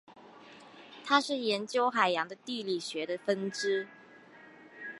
它是研究海洋的地理学的分支。